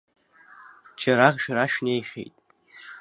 Џьарак шәара шәнеихьеит.